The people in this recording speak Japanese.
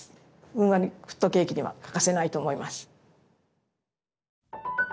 ふんわりホットケーキには欠かせないと思います。